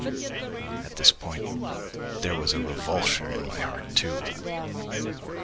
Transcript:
At this point there was a revulsion in my heart too.